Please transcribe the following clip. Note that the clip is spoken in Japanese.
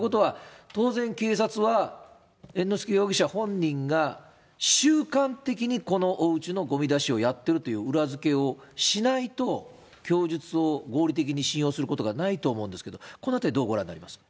当然、警察は猿之助容疑者本人が習慣的にこのおうちのごみ出しをやっているという裏付けをしないと、供述を合理的に信用することがないと思うんですけれども、このあたり、どうご覧になりますか。